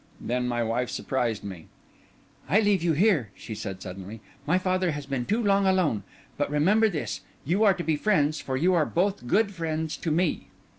Then my wife surprised me. "I leave you here," she said suddenly. "My father has been too long alone. But remember this: you are to be friends, for you are both good friends to me."